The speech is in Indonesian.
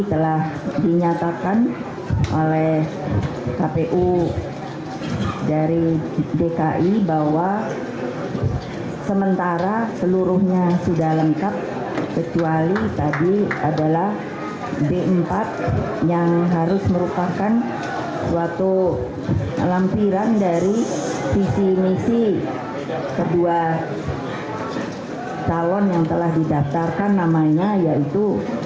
telah dinyatakan oleh kpu dari dki bahwa sementara seluruhnya sudah lengkap kecuali tadi adalah d empat yang harus merupakan suatu lampiran dari visi misi kedua tahun yang telah didaftarkan namanya yaitu